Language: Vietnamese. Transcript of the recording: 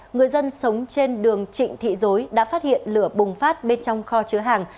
người dân sống trên đường trịnh thị dối đã phát hiện lửa bùng phát bên trong kho chứa hàng